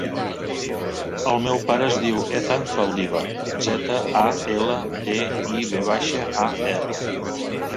El meu pare es diu Ethan Zaldivar: zeta, a, ela, de, i, ve baixa, a, erra.